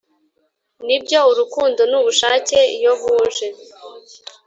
nibyo urukundo nubushake iyo buje